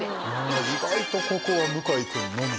意外とここは向井君のみ。